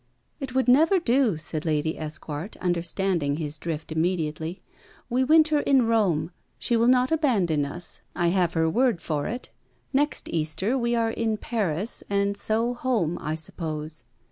'It would never do,' said Lady Esquart, understanding his drift immediately. 'We winter in Rome. She will not abandon us I have her word for it. Next Easter we are in Paris; and so home, I suppose.